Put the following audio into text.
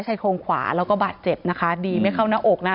ชายโครงขวาแล้วก็บาดเจ็บนะคะดีไม่เข้าหน้าอกนะ